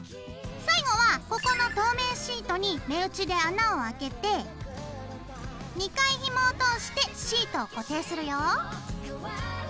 最後はここの透明シートに目打ちで穴をあけて２回ひもを通してシートを固定するよ。